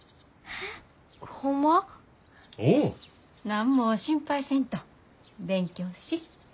何も心配せんと勉強し。